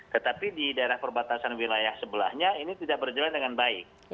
tetapi di daerah perbatasan wilayah sebelahnya ini tidak berjalan dengan baik